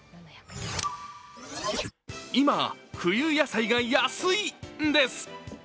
今、冬野菜が安いんです。